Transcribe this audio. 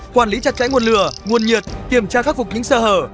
quản lý chặt cháy nguồn lửa nguồn nhiệt kiểm tra khắc phục những sơ hở